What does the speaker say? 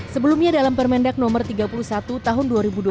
sebelumnya dalam permendak no tiga puluh satu tahun dua ribu dua puluh